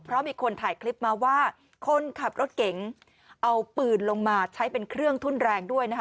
เพราะมีคนถ่ายคลิปมาว่าคนขับรถเก๋งเอาปืนลงมาใช้เป็นเครื่องทุ่นแรงด้วยนะคะ